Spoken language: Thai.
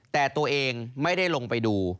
แต่ตัวเองไม่ได้ลงไปดู